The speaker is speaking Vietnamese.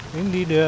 không đi được